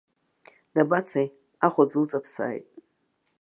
Дабацеи, ахәаӡ лыҵаԥсааит!